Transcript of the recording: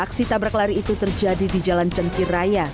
aksi tabrak lari itu terjadi di jalan cengkir raya